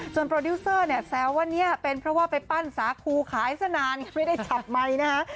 จนโปรดิวเซอร์แซวว่าเป็นเพราะว่าไปปั้นสาคูขายสนานไม่ได้จับไมค์นะคะ